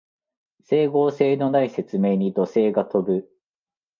整合性のない説明に怒声が飛ぶ